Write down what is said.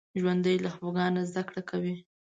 ژوندي له خفګانه زده کړه کوي